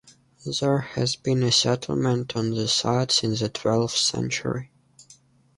There has been a settlement on the site since the twelfth century.